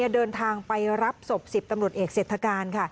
เดินทางไปรับศพ๑๐ตำรวจเอกเศรษฐการ